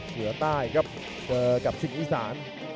เหนือใต้ครับเจอกับสิ่งอีสาน